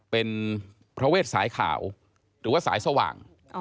เป็นพระเวทสายขาวหรือว่าสายสว่าง